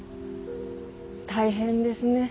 大変ですね。